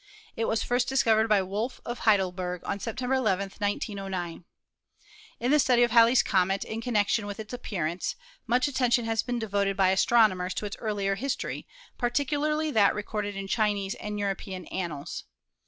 It was first discovered by Wolf, of Heidelberg, on September 11, 1909. In the study of Halley's comet in connection with its appearance, much attention has been devoted by astron omers to its earlier history, particularly that recorded in Chinese and European annals.